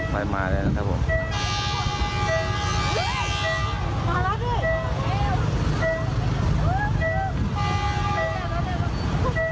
ไฟมาแล้วนะครับผม